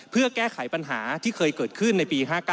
เพื่อแก้ไขปัญหาที่เคยเกิดขึ้นในปี๕๙